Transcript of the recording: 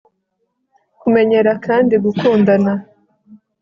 Kumenyera kandi gukundana